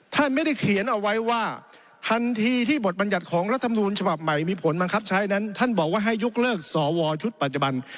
ท่านบอกว่าให้ยกเลิกสวชุดปัจจุบัน